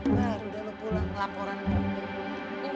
nah udah lo pulang laporan yang penting